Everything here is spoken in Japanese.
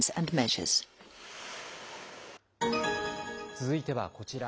続いてはこちら。